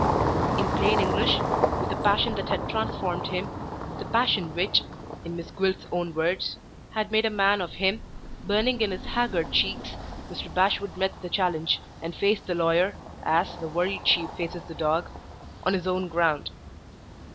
In plain English with the passion that had transformed him, the passion which (in Miss Gwilt's own words) had made a man of him, burning in his haggard cheeks Mr. Bashwood met the challenge, and faced the lawyer (as, the worried sheep faces the dog) on his own ground.